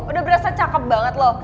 udah berasa cakep banget loh